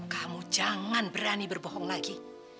kamu jangan berani berbohong lagi